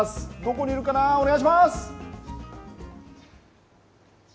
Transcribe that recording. どこにいるかな、お願いします。